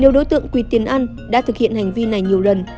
nhiều đối tượng quỳ tiền ăn đã thực hiện hành vi này nhiều lần